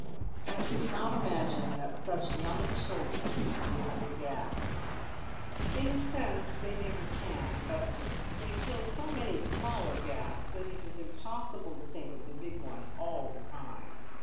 I did not imagine that such young children could fill the gap " "In a sense they never can, but they fill so many smaller gaps that it is impossible to think of the big one all the time.